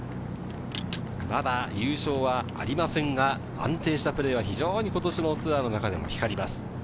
まだ優勝はありませんが安定したプレーは非常に今年もツアーの中では光ります。